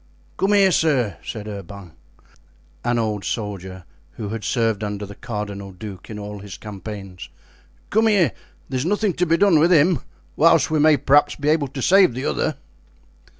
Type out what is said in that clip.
"Come here, sir," said Urban, an old soldier who had served under the cardinal duke in all his campaigns; "come here, there is nothing to be done with him, whilst we may perhaps be able to save the other."